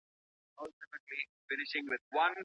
خاوند خپل تصميم تغيرولای سي.